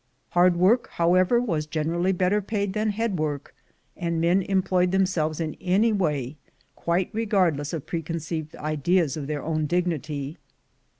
Hard work, however, was generally better paid than head work, and men employed themselves in any way, quite re gardless of preconceived ideas of their own dignity.